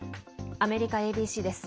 アメリカＡＢＣです。